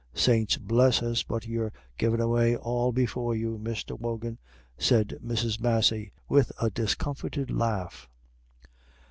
"Saints bless us, but you're givin' away all before you, Mr. Wogan," said Mrs. Massey, with a discomfited laugh.